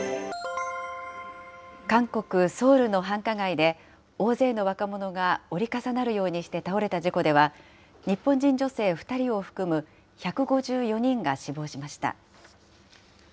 韓国・ソウルの繁華街で、大勢の若者が折り重なるようにして倒れた事故では、日本人女性２人を含む１５４人が死亡しました。